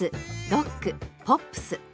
ロックポップス。